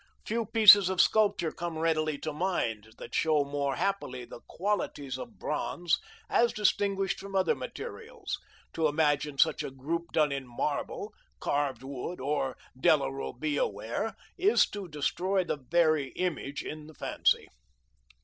Few pieces of sculpture come readily to mind that show more happily the qualities of bronze as distinguished from other materials. To imagine such a group done in marble, carved wood, or Della Robbia ware is to destroy the very image in the fancy.